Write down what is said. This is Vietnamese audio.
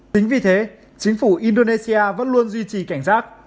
chính vì thế chính phủ indonesia vẫn luôn duy trì cảnh giác